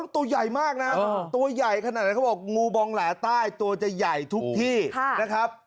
ตัวใหญ่มากนะตัวใหญ่ขนาดนั้นเขาบอกงูบองแหล่ใต้ตัวจะใหญ่ทุกที่นะครับ